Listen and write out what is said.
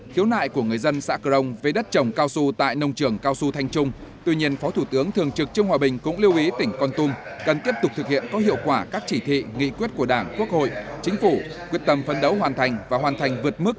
đồng chí trương hòa bình ủy viên bộ chính trị phó thủ tướng thường trực chính phủ và đoàn công tác đã có buổi làm việc với tỉnh con tum về kết quả triển khai năm dân vận chính phủ và hàng giả năm hai nghìn một mươi chín trên địa bàn tỉnh con tum